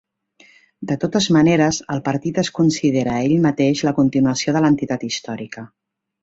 De totes maneres, el partit es considera a ell mateix la continuació de l'entitat històrica.